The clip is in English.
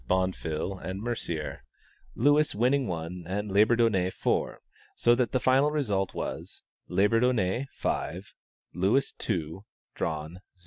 Bonfil and Mercier, Lewis winning one and Labourdonnais four, so that the final result was: Labourdonnais, 5 Lewis, 2 Drawn, 0.